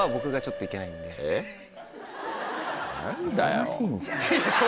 忙しいんじゃん。